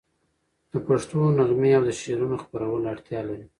د پښتو نغمې او د شعرونو خپرول اړتیا لري.